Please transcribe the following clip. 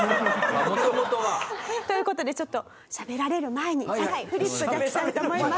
あっ元々は。という事でちょっとしゃべられる前に先フリップ出したいと思います。